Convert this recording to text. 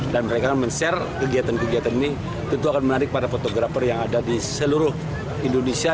dan mereka men share kegiatan kegiatan ini tentu akan menarik para fotografer yang ada di seluruh indonesia